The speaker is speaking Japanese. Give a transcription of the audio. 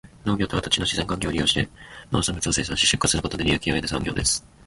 農業とは、土地の自然環境を利用して農産物を生産し、出荷することで利益を得る産業です。